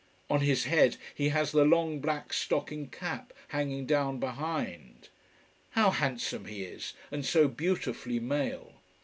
On his head he has the long black stocking cap, hanging down behind. How handsome he is, and so beautifully male!